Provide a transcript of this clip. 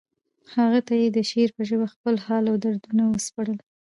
هغه ته یې د شعر په ژبه خپل حال او دردونه وسپړل